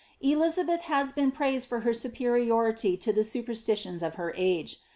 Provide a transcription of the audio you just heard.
Elizabeth has been praised for her superiority to the superstitions of her a^e.